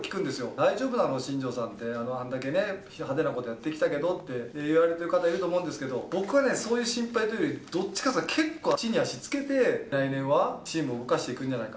大丈夫なの、新庄さんって、あんだけね、派手なことやってきたけどって言われている方、いると思うんですけれども、僕はそういう心配というより、どっちかっていったら、地に足つけて、来年はチームを動かしていくんじゃないか。